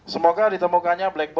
semoga ditemukannya black box